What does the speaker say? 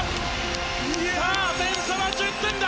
さあ、点差は１０点だ！